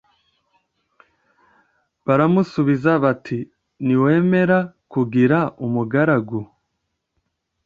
Baramusubiza bati Niwemera kwigira umugaragu